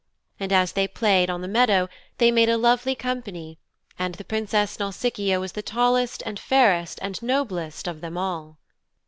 And as they played on the meadow they made a lovely company, and the Princess Nausicaa was the tallest and fairest and noblest of them all.